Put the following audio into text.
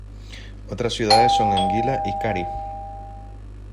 Otras ciudades son Anguilla y Cary.